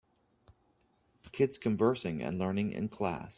Kids conversing and learning in class.